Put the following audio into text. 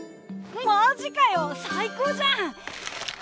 マジかよ最高じゃん！